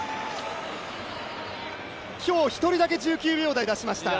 今日１人だけ１９秒台出しました。